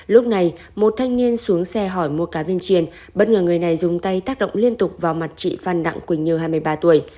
lúc này một thanh niên xuống xe hỏi mua cá viên chiên bất ngờ người này dùng tay tác động liên tục vào mặt chị phan đặng quỳnh như hai mươi ba tuổi